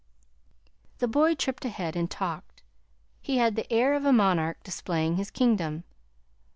The boy tripped ahead and talked. He had the air of a monarch displaying his kingdom.